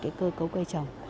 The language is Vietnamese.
cái cơ cấu cây trồng